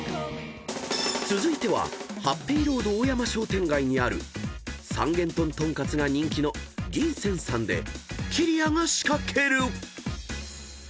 ［続いてはハッピーロード大山商店街にある三元豚とんかつが人気の「銀扇」さんできりやが仕掛ける］